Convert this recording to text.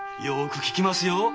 よく効きますよ。